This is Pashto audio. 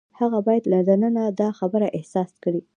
هغه باید له دننه دا خبره احساس کړي.